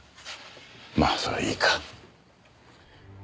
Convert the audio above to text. まあそれはいいか。